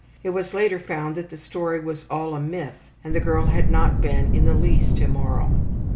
It was later found that the story was all a myth and the girl had not been in the least immoral.